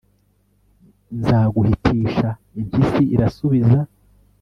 nzaguhitisha!' impyisi irasubiza